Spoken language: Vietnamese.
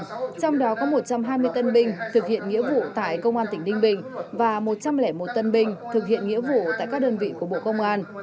trong đó có một trăm hai mươi tân binh thực hiện nghĩa vụ tại công an tỉnh ninh bình và một trăm linh một tân binh thực hiện nghĩa vụ tại các đơn vị của bộ công an